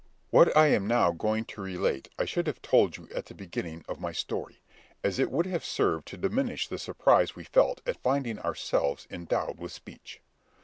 Berg. What I am now going to relate I should have told you at the beginning of my story, as it would have served to diminish the surprise we felt at finding ourselves endowed with speech.